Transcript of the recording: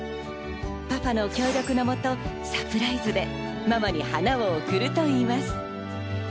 パパの協力のもとサプライズでママに花を贈るといいます。